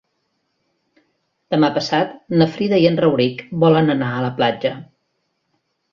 Demà passat na Frida i en Rauric volen anar a la platja.